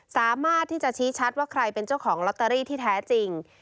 สามารถที่จะชี้ชัดว่าใครเป็นเจ้าของลอตเตอรี่ที่แท้จริง